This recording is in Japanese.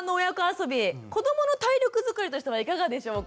遊び子どもの体力づくりとしてはいかがでしょうか？